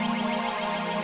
masih dikokok inget